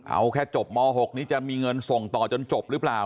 เอาแค่จบม๖จะมีเงินส่งต่อใช่ปลอดภัยรึเปล่า